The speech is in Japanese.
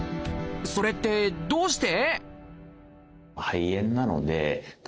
それってどうして？